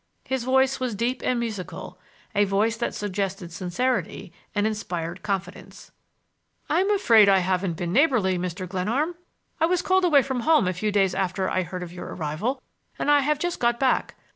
His voice was deep and musical,—a voice that suggested sincerity and inspired confidence. "I'm afraid I haven't been neighborly, Mr. Glenarm. I was called away from home a few days after I heard of your arrival, and I have just got back.